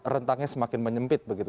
rentangnya semakin menyempit begitu